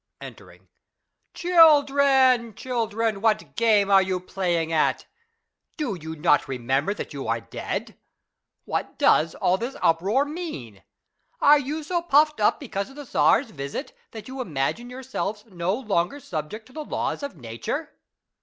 {Entering.) — Children, children, what game are you playing at ? Do you not remember that you are dead ? What does all this uproar mean ? Are you so puffed up because of the Czar's visit,'^ that you imagine yourselves no longer subject to the laws of Nature